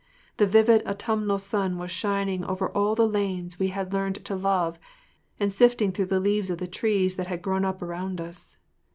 The vivid autumnal sun was shining over all the lanes we had learned to love and sifting through the leaves of the trees that had grown up around us.